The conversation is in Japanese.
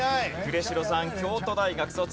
呉城さん京都大学卒。